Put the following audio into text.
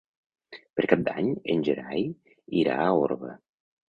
Per Cap d'Any en Gerai irà a Orba.